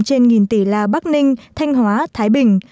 tổng số nợ động trên một tỷ là bắc ninh thanh hóa thái bình